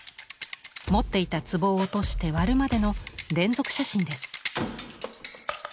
持っていた壷を落として割るまでの連続写真です。